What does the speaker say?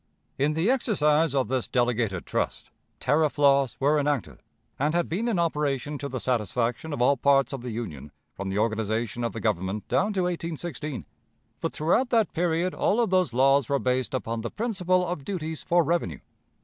In the exercise of this delegated trust, tariff laws were enacted, and had been in operation to the satisfaction of all parts of the Union, from the organization of the Government down to 1816; but throughout that period all of those laws were based upon the principle of duties for revenue.